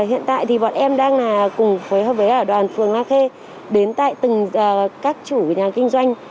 hiện tại thì bọn em đang cùng phối hợp với đoàn phường la khê đến tại từng các chủ nhà kinh doanh